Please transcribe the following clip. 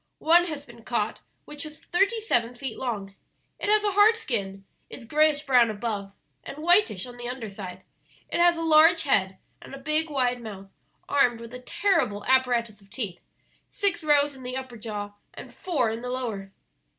One has been caught which was thirty seven feet long. It has a hard skin, is grayish brown above and whitish on the under side. It has a large head and a big wide mouth armed with a terrible apparatus of teeth six rows in the upper jaw, and four in the lower."